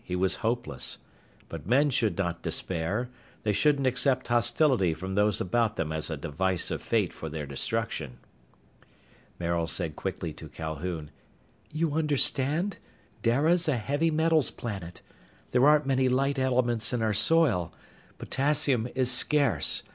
He was hopeless. But men should not despair. They shouldn't accept hostility from those about them as a device of fate for their destruction. Maril said quickly to Calhoun, "You understand? Dara's a heavy metals planet. There aren't many light elements in our soil. Potassium is scarce.